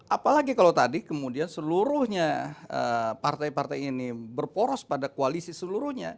apalagi kalau tadi kemudian seluruhnya partai partai ini berporos pada koalisi seluruhnya